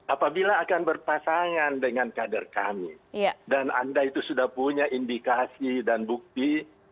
apabila akan berpasangan dengan kader kami dan anda itu sudah punya indikasi dan bukti